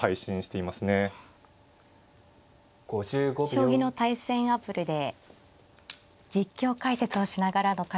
将棋の対戦アプリで実況解説をしながらの解説